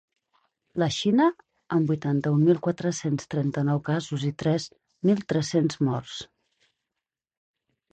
La Xina, amb vuitanta-un mil quatre-cents trenta-nou casos i tres mil tres-cents morts.